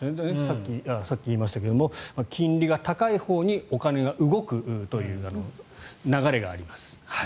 さっき言いましたが金利が高いほうにお金が動くという流れがあります。